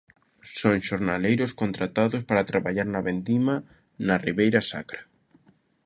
Son xornaleiros contratados para traballar na vendima na Ribeira Sacra.